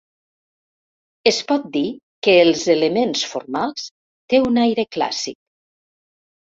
Es pot dir que els elements formals té un aire clàssic.